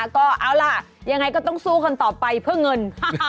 ก็เอาล่ะยังไงก็ต้องสู้คนต่อไปเพื่อเงิน